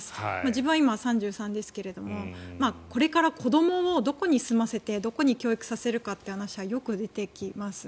自分は今３３ですがこれから子どもをどこに住ませてどこに教育させるかという話はよく出てきます。